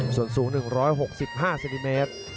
ส่วนสูง๑๖๕เซนติเมตร